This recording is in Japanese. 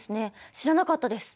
知らなかったです。